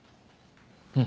うん。